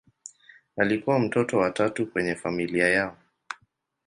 Alikuwa mtoto wa tatu kwenye familia yao.